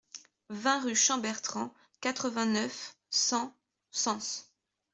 vingt rue Champbertrand, quatre-vingt-neuf, cent, Sens